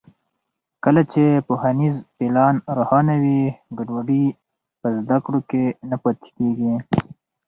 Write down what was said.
کله چې پوهنیز پلان روښانه وي، ګډوډي په زده کړو کې نه پاتې کېږي.